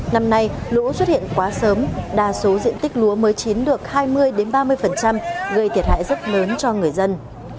năm nay lũ xuất hiện quá sớm đa số diện tích lúa mới chín được hai mươi ba mươi gây thiệt hại rất lớn cho người dân